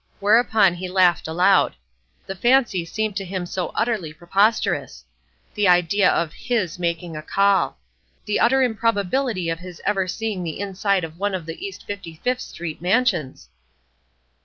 Whereupon he laughed aloud. The fancy seemed to him so utterly preposterous. The idea of his making a call! The utter improbability of his ever seeing the inside of one of the East Fifty fifth Street mansions!